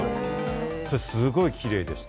それ、すごいキレイでした。